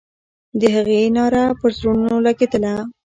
د هغې ناره پر زړونو لګېدله.